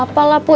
ya siap deh kamu